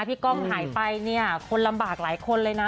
พี่กล้องนี่หายไปคนลำบากหลายคนเลยนะ